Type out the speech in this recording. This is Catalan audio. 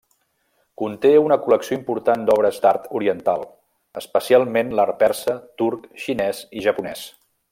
Conté una col·lecció important d'obres d'art oriental, especialment l'art persa, turc, xinès i japonès.